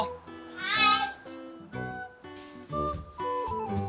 はい。